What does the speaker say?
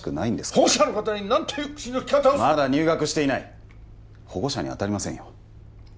保護者の方に何という口の利き方をまだ入学していない保護者にあたりませんよ